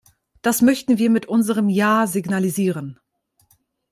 Das möchten wir mit unserem Ja signalisieren.